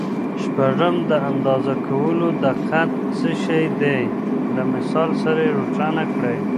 شپږم: د اندازه کولو دقت څه شی دی؟ له مثال سره یې روښانه کړئ.